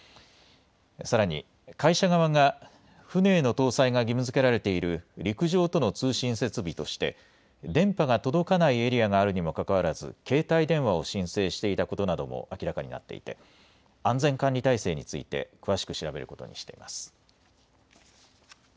さらに会社側が船への搭載が義務づけられている陸上との通信設備として電波が届かないエリアがあるにもかかわらず携帯電話を申請していたことなども明らかになっていて安全管理体制について詳しく調べることにしています。